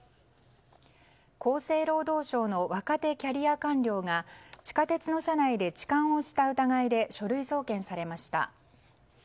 厚生労働省の若手キャリア官僚が地下鉄の車内で痴漢をした疑いで書類送検されました。